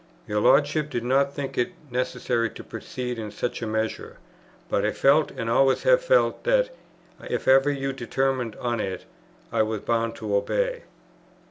Your Lordship did not think it necessary to proceed to such a measure, but I felt, and always have felt, that, if ever you determined on it, I was bound to obey."